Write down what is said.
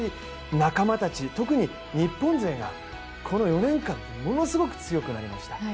仲間たち、特に日本勢がこの４年間ものすごく強くなりました。